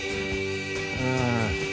うん！